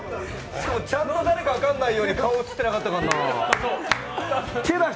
ちゃんと誰か分からないように顔映ってなかったからな。